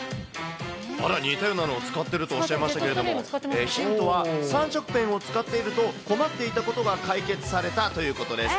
あら、似たようなのを使ってるとおっしゃいましたけど、ヒントは３色ペンを使っていると困っていたことが解決されたということです。